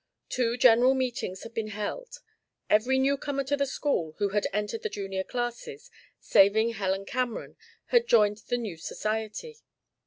Two general meetings had been held. Every new comer to the school, who had entered the Junior classes, saving Helen Cameron, had joined the new society.